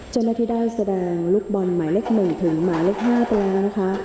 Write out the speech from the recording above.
จนละทีใดแสดงลูกบอลหมายเลขหนึ่งถึงหมาเลขห้าไปแล้วนะคะ